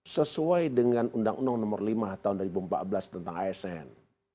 sesuai dengan undang undang nomor lima tahun dua ribu empat belas tentang asn